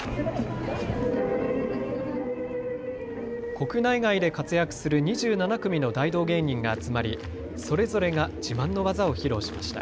国内外で活躍する２７組の大道芸人が集まり、それぞれが自慢の技を披露しました。